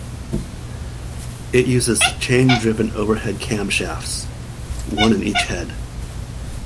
It uses chain-driven overhead camshafts, one in each head.